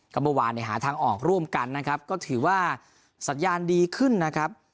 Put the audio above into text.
ก็เมื่อวานเนี่ยหาทางออกร่วมกันนะครับก็ถือว่าสัญญาณดีขึ้นนะครับ